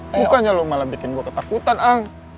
bukannya lo malah bikin gue ketakutan ah